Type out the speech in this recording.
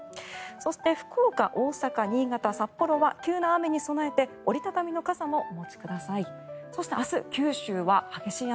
そして福岡、大阪、新潟、札幌は急な雨に備えて折り畳みの傘をお持ちください。